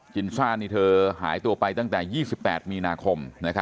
จินซ่านี่เธอหายตัวไปตั้งแต่๒๘มีนาคม